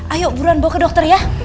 ayo buran bawa ke dokter ya